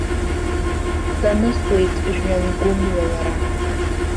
Данысуеит жәҩангәымҩа лара.